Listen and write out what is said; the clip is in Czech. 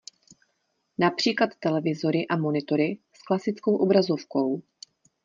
Například televizory a monitory s klasickou obrazovkou.